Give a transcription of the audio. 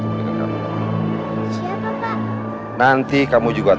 jangan lupa untuk berikan duit